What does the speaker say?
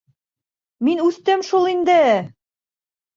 Мин үҫтем шул инде!